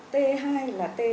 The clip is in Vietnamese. t hai là t